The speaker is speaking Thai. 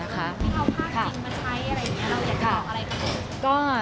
ถ้าเราข้างจริงมาใช้อะไรอยากทำอะไรของเรา